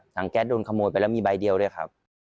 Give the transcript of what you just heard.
แก๊สโดนขโมยไปแล้วมีใบเดียวด้วยครับ